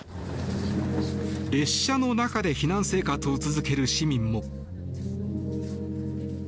列車の中で避難生活を続ける市民も。